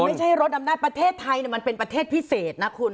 ไม่ใช่รถอำนาจประเทศไทยมันเป็นประเทศพิเศษนะคุณ